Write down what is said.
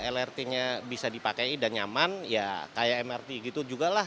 lrt nya bisa dipakai dan nyaman ya kayak mrt gitu juga lah